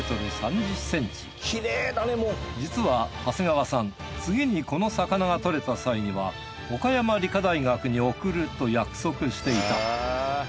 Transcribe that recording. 実は長谷川さん次にこの魚が獲れた際には岡山理科大学に送ると約束していた。